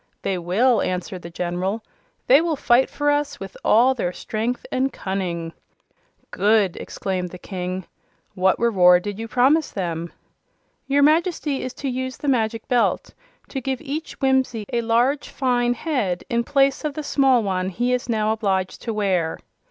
"They will," answered the General. "They will fight for us with all their strength and cunning." "Good!" exclaimed the King. "What reward did you promise them?" "Your Majesty is to use the Magic Belt to give each Whimsie a large, fine head, in place of the small one he is now obliged to wear."